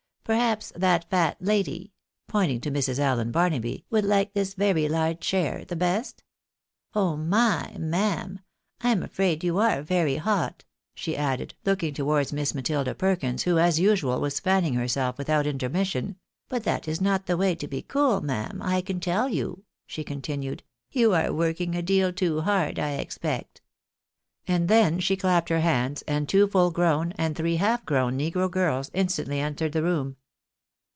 Perhaps that fat lady (pointing to Mrs. Allen Barnaby) would like this very large chair the best ?— Oh my ! ma'am ! I am afraid you are very hot," she added, looking towards Miss Matilda Perkins, who, as usual, was fanning herself without intermission ;" but that is not the way to be cool, ma'am, I can tell you," she continued ;" you are working a deal too hard, I expect." And then she clapped her hands, and two full grown, and three half grown negro girls, instantly entered the room.